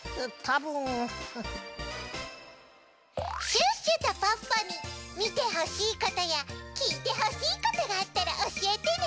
シュッシュとポッポにみてほしいことやきいてほしいことがあったらおしえてね！